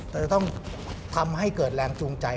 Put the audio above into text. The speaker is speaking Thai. จะต้องทำให้เกิดแรงจูงใจ